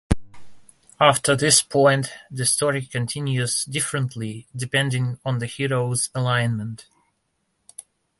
After this point, the story continues differently depending on the Hero's alignment.